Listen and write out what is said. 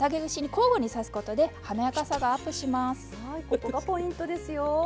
ここがポイントですよ。